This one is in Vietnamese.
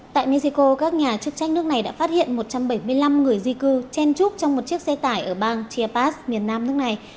tại mexico các nhà chức trách nước này đã phát hiện một trăm bảy mươi năm người di cư chen trúc trong một chiếc xe tải ở bang tiapas miền nam nước này